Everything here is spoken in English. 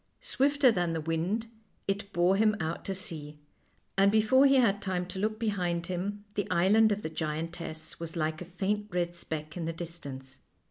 Swifter than the wind it bore him out to sea, and before he had time to look behind him the island of the giantess was like a faint red speck in the distance.